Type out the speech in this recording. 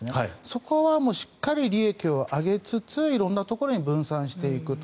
そこはしっかり利益を上げつつ色んなところに分散していくと。